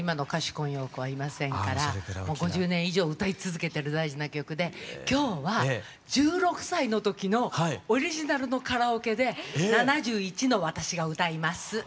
今陽子はいませんから５０年以上歌い続けてる大事な曲で今日は１６歳の時のオリジナルのカラオケで７１の私が歌います。